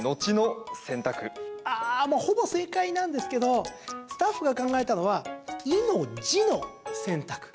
あー、ほぼ正解なんですけどスタッフが考えたのは「い」の字の選択。